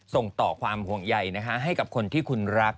ส่งต่อความห่วงใยให้กับคนที่คุณรัก